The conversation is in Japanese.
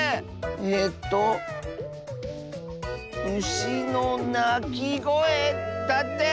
えと「うしのなきごえ」だって！